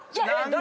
誰？